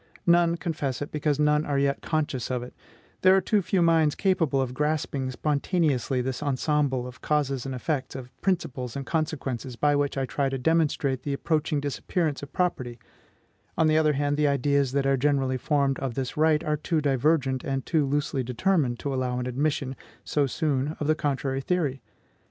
None confess it, because none are yet conscious of it; there are too few minds capable of grasping spontaneously this ensemble of causes and effects, of principles and consequences, by which I try to demonstrate the approaching disappearance of property; on the other hand, the ideas that are generally formed of this right are too divergent and too loosely determined to allow an admission, so soon, of the contrary theory.